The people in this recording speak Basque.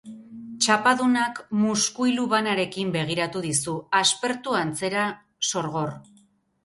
Txapadunak muskuilu banarekin begiratu dizu, aspertu antzera, sorgor.